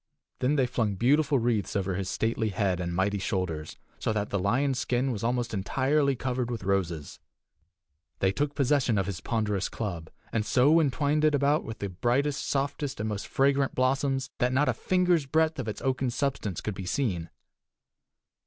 Then they flung beautiful wreaths over his stately head and mighty shoulders, so that the lion's skin was almost entirely covered with roses. They took possession of his ponderous club, and so entwined it about with the brightest, softest, and most fragrant blossoms that not a finger's breadth of its oaken substance could be seen.